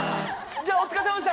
じゃあ、お疲れさまでした。